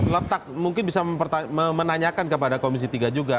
letak mungkin bisa menanyakan kepada komisi tiga juga